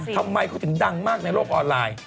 ทำไมเขาถึงดังมากในโลกออนไลน์